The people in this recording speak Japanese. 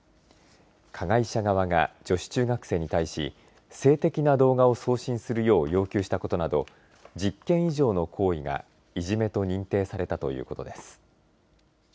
加害者側が女子中学生に対し性的な動画を送信するよう要求したことなど１０件以上の行為がいじめと認定されたということです。